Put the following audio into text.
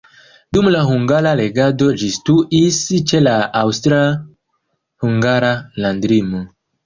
Dum la hungara regado ĝi situis ĉe la aŭstra-hungara landlimo.